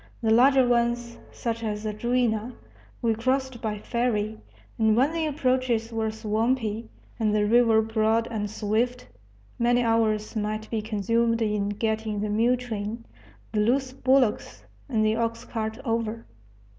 The larger ones, such as the Juina, we crossed by ferry, and when the approaches were swampy, and the river broad and swift, many hours might be consumed in getting the mule train, the loose bullocks, and the ox cart over.